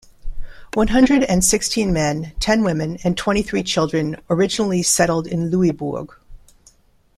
One hundred and sixteen men, ten women, and twenty-three children originally settled in Louisbourg.